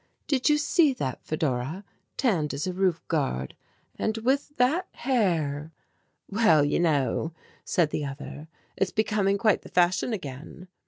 "Did you see that, Fedora, tanned as a roof guard and with that hair!" "Well, you know," said the other, "it's becoming quite the fashion again."